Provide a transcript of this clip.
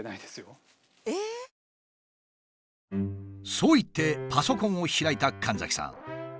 そう言ってパソコンを開いた神崎さん。